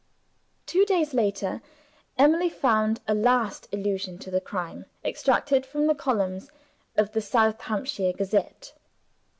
........ Two days later, Emily found a last allusion to the crime extracted from the columns of the South Hampshire Gazette.